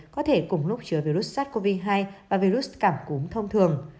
có thể cùng lúc chứa virus sars cov hai và virus cảm cúm thông thường